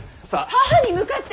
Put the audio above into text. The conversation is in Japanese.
母に向かって！